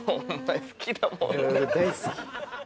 俺大好き。